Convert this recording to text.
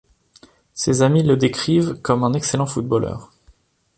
Ses amis le décrivent comme un excellent footballeur.